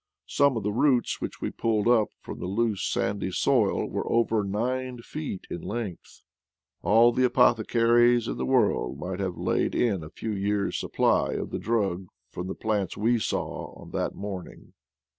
Some of the roots which we pulled up from the loose sandy soil were over nine feet in length. All the apothecaries in the world might have laid in a few years' supply of the drug from the plants we saw on that morn ing.